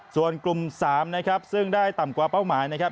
ส่วนกลุ่ม๓นะครับซึ่งได้ต่ำกว่าเป้าหมายนะครับ